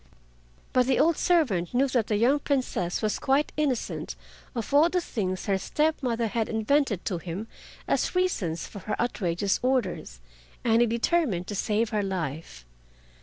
But the old servant knew that the young Princess was quite innocent of all the things her step mother had invented to him as reasons for her outrageous orders, and he determined to save her life.